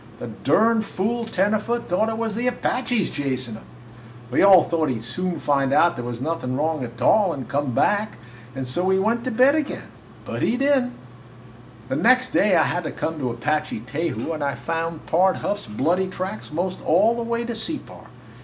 The durn fool tenderfoot thought it was the Apaches chasin' him! We all thought he 'd soon find out there was nothin' wrong a tall and come back, and so we went to bed again. But he did n't. "The next day I had to come to Apache Teju and I found Pard Huff's bloody tracks most all the way to Separ.